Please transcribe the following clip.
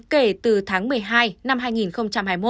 kể từ tháng một mươi hai năm